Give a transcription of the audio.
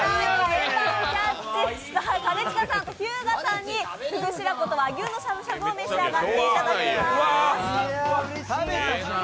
円盤をキャッチした兼近さんと日向さんに、フワフワのフグ白子と和牛のしゃぶしゃぶを召し上がっていただきます。